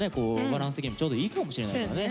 バランス的にもちょうどいいかもしれないからね。